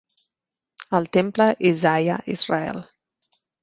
El temple Isaiah Israel.